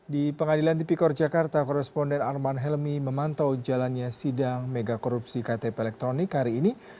di pengadilan tipi kor jakarta koresponden arman helmi memantau jalannya sidang megakorupsi ktp elektronik hari ini